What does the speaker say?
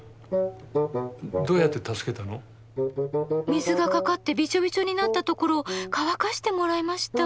水がかかってびちょびちょになったところを乾かしてもらいました。